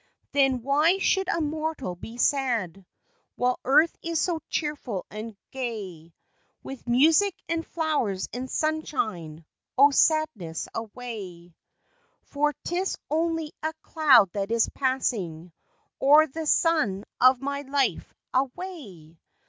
Then why should a mortal be sad, While earth is so cheerful and gay, With music, and flowers and sunshine, O, sadness away. For 'tis only a cloud that is passing O'er the sun of my life; away!